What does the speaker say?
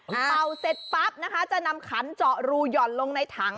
เป่าเสร็จปั๊บนะคะจะนำขันเจาะรูหย่อนลงในถัง